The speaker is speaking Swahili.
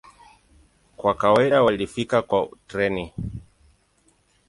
Kwa kawaida walifika kwa treni.